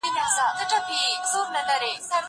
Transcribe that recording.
زه پوښتنه نه کوم!؟